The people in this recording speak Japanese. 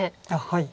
はい。